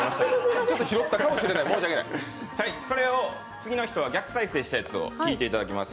次の人は逆再生したやつを聞いてもらいます。